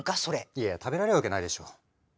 いやいや食べられるわけないでしょ。